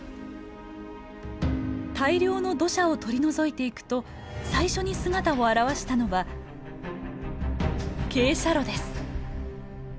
大量の土砂を取り除いていくと最初に姿を現したのは傾斜路です。